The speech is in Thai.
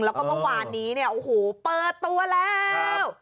แล้วก็เมื่อวานนี้เนี่ยโอ้โหเปิดตัวแล้ว